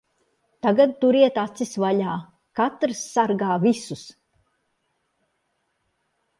Tagad turiet acis vaļā. Katrs sargā visus.